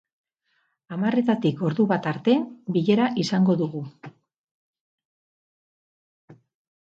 Hamarretatik ordu bata arte bilera izango dugu.